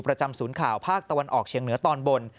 ศูนย์ข่าวภาคตะวันออกเชียงเหนือตอนบน